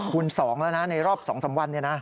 คุณสองแล้วนะในรอบสองสามวันเนี่ยนะ